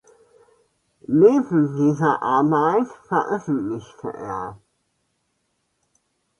Neben dieser Arbeit veröffentlichte er.